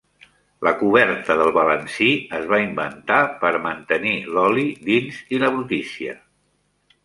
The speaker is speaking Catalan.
La coberta del balancí es va inventar per mantenir l'oli dins i la brutícia.